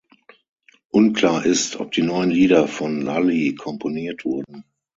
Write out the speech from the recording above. Unklar ist, ob die neuen Lieder von Lully komponiert wurden.